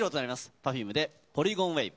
Ｐｅｒｆｕｍｅで、ポリゴンウェイヴ。